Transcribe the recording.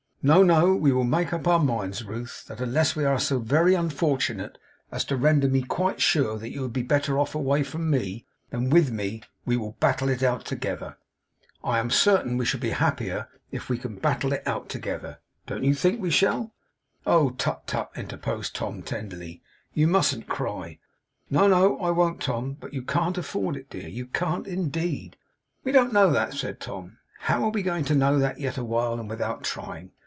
No, no; we will make up our minds Ruth, that unless we are so very unfortunate as to render me quite sure that you would be better off away from me than with me, we will battle it out together. I am certain we shall be happier if we can battle it out together. Don't you think we shall?' 'Think, Tom!' 'Oh, tut, tut!' interposed Tom, tenderly. 'You mustn't cry.' 'No, no; I won't, Tom. But you can't afford it, dear. You can't, indeed.' 'We don't know that,' said Tom. 'How are we to know that, yet awhile, and without trying?